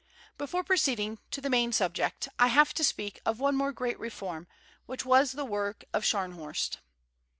Before proceeding to the main subject, I have to speak of one more great reform, which was the work of Scharnhorst.